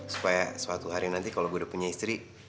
supaya suatu hari nanti kalau gue udah punya istri